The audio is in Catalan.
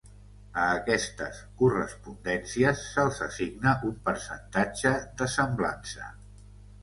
A aquestes correspondències se'ls assigna un percentatge de semblança.